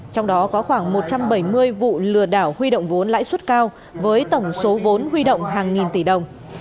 trong đó có khoảng một trăm bảy mươi vụ lừa đảo huy động vốn lãi suất cao với tổng số vốn huy động hàng nghìn tỷ đồng